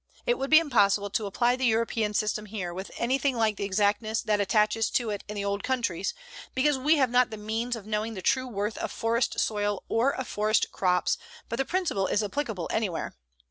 It would be impossible to apply the European system here with anything like the exactness that attaches to it in the old countries, because we have not the means of knowing the true worth of forest soil or of forest crops, but the principle is applicable anywhere.